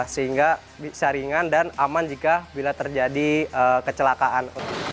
sehingga bisa ringan dan aman jika bila terjadi kecelakaan